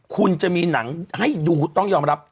คุณจะมีหนังให้ดูต้องยอมรับ